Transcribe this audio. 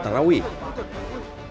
dan juga untuk menjaga keamanan